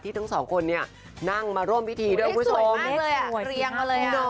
ที่ทั้งสองคนนี่นั่งมาร่วมวิธีด้วยคุณผู้ชมเลขสวยมากเลยอ่ะเรียงมาเลยอ่ะ